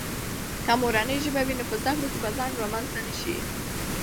که مورنۍ ژبه وي، نو په زده کړو کې بې خنډ رامنځته نه سي.